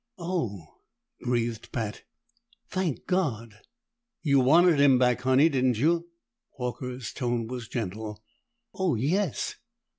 "Oh!" breathed Pat. "Thank God!" "You wanted him back, Honey, didn't you?" Horker's tone was gentle. "Oh, yes!"